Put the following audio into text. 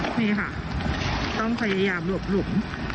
นี่ค่ะต้องพยายามหลบหลุม